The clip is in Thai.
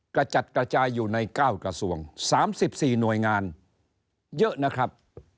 กระจัดกระจายอยู่ใน๙กระทรวง๓๔หน่วยงานเยอะนะครับ